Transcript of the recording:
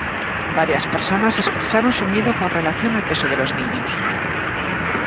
Varias personas expresaron su miedo con relación al peso de los niños.